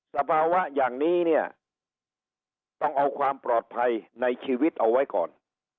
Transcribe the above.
สภาวะอย่างนี้เนี่ยต้องเอาความปลอดภัยในชีวิตเอาไว้ก่อน